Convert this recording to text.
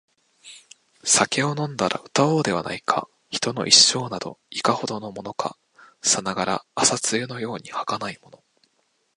酒を飲んだら歌おうではないか／人の一生など、いかほどのものか／さながら朝露のように儚いもの